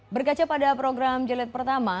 berkaca pada program jelit pertama